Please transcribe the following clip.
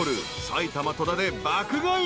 埼玉戸田で爆買い］